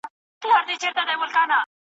د هر زور له پاسه پورته بل قدرت سته